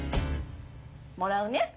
もらうね。